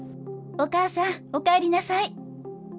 お母さん、お帰りなさーい。